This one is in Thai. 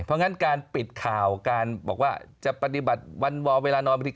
เพราะงั้นการปิดข่าวการบอกว่าจะปฏิบัติวันวอลเวลานอนบางที